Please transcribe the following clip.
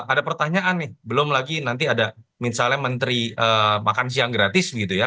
ada pertanyaan nih belum lagi nanti ada misalnya menteri makan siang gratis gitu ya